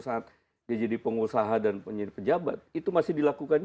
saat menjadi pengusaha dan penyelidik pejabat itu masih dilakukannya